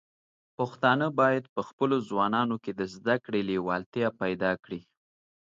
پښتانه بايد په خپلو ځوانانو کې د زده کړې لیوالتیا پيدا کړي.